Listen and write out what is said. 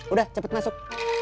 udah cepet masuk